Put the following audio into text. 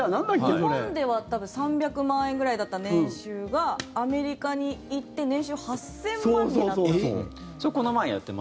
日本円では、多分３００万円くらいだった年収がアメリカに行って年収８０００万になったって。